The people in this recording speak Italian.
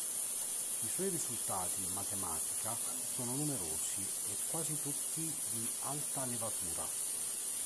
I suoi risultati in matematica sono numerosi e quasi tutti di alta levatura.